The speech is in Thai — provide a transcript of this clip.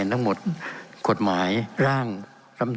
เป็นของสมาชิกสภาพภูมิแทนรัฐรนดร